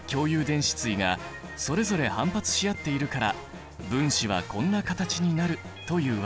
電子対がそれぞれ反発し合っているから分子はこんな形になるというわけ。